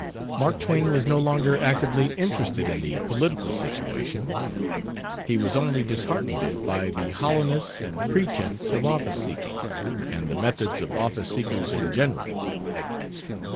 Mark Twain was no longer actively interested in the political situation; he was only disheartened by the hollowness and pretense of office seeking, and the methods of office seekers in general.